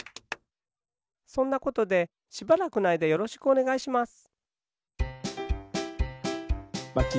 そんなことでしばらくのあいだよろしくおねがいします。